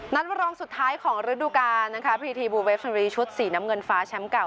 รองสุดท้ายของฤดูกาลนะคะพีทีบูเวฟรีชุดสีน้ำเงินฟ้าแชมป์เก่า